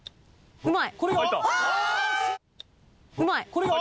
うまい！